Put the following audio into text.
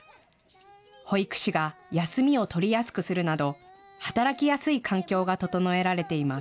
保育士が休みを取りやすくするなど、働きやすい環境が整えられています。